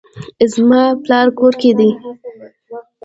زما پلار کور کې دی